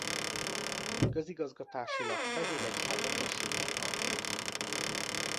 Közigazgatásilag Fehéregyháza községhez tartozik.